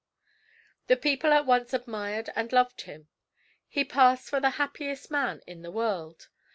The people at once admired and loved him. He passed for the happiest man in the world.